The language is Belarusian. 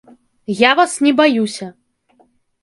Я вас не баюся.